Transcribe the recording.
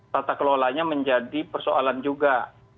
tata kelolanya menjadi persoalan juga